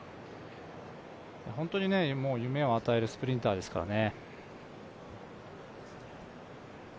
本当に夢を与えるスプリンターですからね。